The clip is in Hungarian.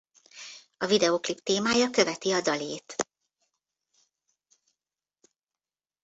A videóklip témája követi a dalét.